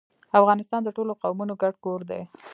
افغانستان د ټولو قومونو ګډ کور دی.